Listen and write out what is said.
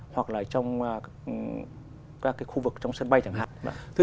hoặc là trong các khu vực trong sân bay chẳng hạn